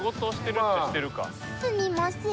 すみません」。